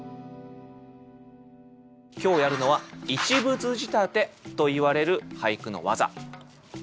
今日やるのは「一物仕立て」といわれる俳句の技。